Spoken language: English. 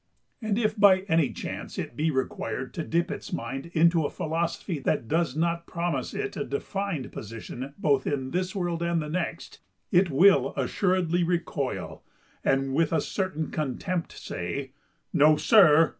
And if by any chance it be required to dip its mind into a philosophy that does not promise it a defined position both in this world and the next, it will assuredly recoil, and with a certain contempt say: "No, sir!